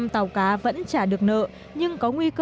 hai mươi năm tàu cá vẫn trả được nợ nhưng có nguy cơ